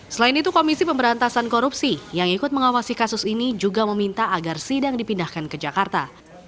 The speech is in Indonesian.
selain itu komisi pemberantasan korupsi yang ikut mengawasi kasus ini juga meminta agar sidang dipindahkan ke jakarta